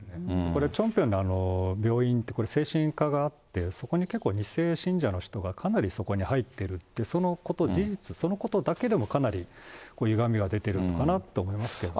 これ、チョンピョンの病院って、これ精神科があって、そこに結構、２世信者の人がかなりそこに入ってるっていう、そのこと、事実、そのことだけでもかなりゆがみが出てるのかなと思いますけど。